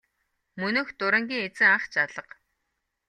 Мөнөөх дурангийн эзэн ах ч алга.